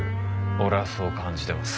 俺はそう感じてます。